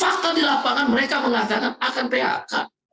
fakta di lapangan mereka mengatakan akan phk